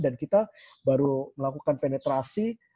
dan kita baru melakukan penetrasi